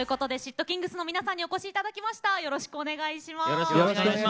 ＊ｔｋｉｎｇｚの皆さんにお越しいただきました。